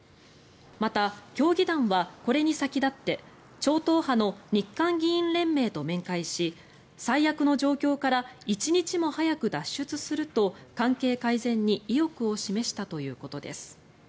また、協議団はこれに先立って超党派の日韓議員連盟と面会し最悪の状況から一日も早く脱出すると関係改善に意欲を示したということです。